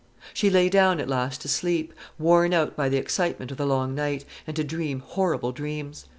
She lay down at last to sleep, worn out by the excitement of the long night, and to dream horrible dreams.